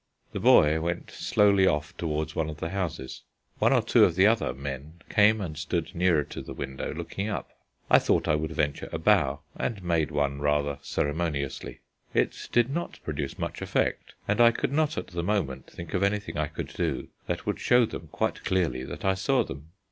The boy went slowly off towards one of the houses. One or two of the other "men" came and stood nearer to the window, looking up. I thought I would venture a bow, and made one rather ceremoniously. It did not produce much effect, and I could not at the moment think of anything I could do that would show them quite clearly that I saw them.